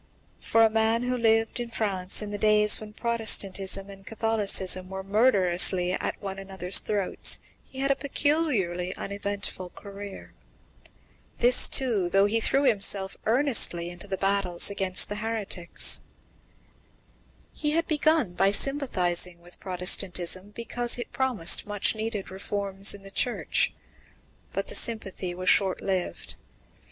For a man who lived in France in days when Protestantism and Catholicism were murderously at one another's throats, he had a peculiarly uneventful career. This, too, though he threw himself earnestly into the battle against the heretics. He had begun by sympathizing with Protestantism, because it promised much needed reforms in the Church; but the sympathy was short lived.